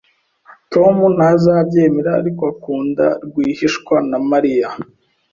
Tom ntazabyemera, ariko akunda rwihishwa na Mariya